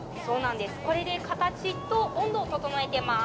これで形と温度を整えてます